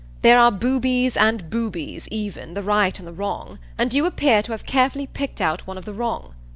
There are boobies and boobies even the right and the wrong and you appear to have carefully picked out one of the wrong.